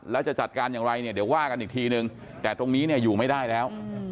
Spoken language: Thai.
แล้วจะจัดการอย่างไรเนี่ยเดี๋ยวว่ากันอีกทีนึงแต่ตรงนี้เนี่ยอยู่ไม่ได้แล้ว